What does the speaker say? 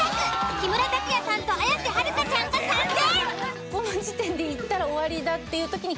木村拓哉さんと綾瀬はるかちゃんが参戦。